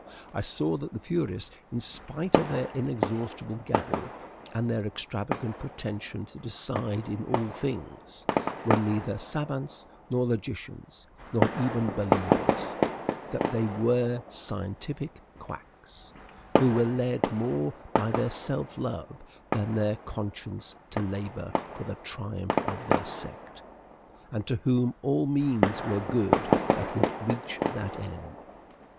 I saw that the Fourierists in spite of their inexhaustible gabble, and their extravagant pretension to decide in all things were neither savants, nor logicians, nor even believers; that they were SCIENTIFIC QUACKS, who were led more by their self love than their conscience to labor for the triumph of their sect, and to whom all means were good that would reach that end.